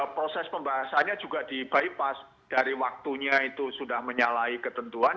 proses pembahasannya juga di bypass dari waktunya itu sudah menyalahi ketentuan